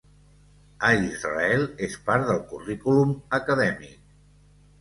A Israel, és part del currículum acadèmic.